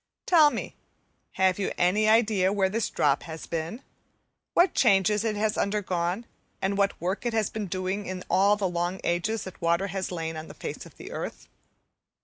Tell me, have you any idea where this drop has been? what changes it has undergone, and what work it has been doing during all the long ages that water has lain on the face of the earth?